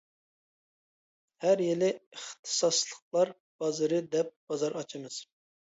ھەر يىلى ئىختىساسلىقلار بازىرى دەپ بازار ئاچىمىز.